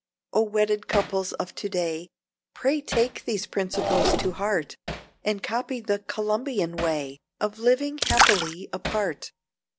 O wedded couples of to day, Pray take these principles to heart, And copy the Columbian way Of living happily apart.